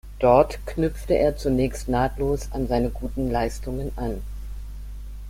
Dort knüpfte er zunächst nahtlos an seine guten Leistungen an.